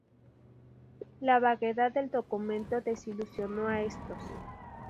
La vaguedad del documento desilusionó a estos.